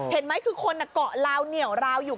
เห็นไหมคือคนเกาะลาวเหนียวราวอยู่